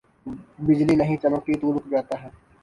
بجلی نہیں چمکتی تو رک جاتا ہے۔